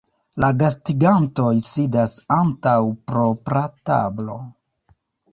La gastigantoj sidas antaŭ propra tablo.